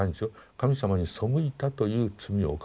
神様に背いたという罪を犯した。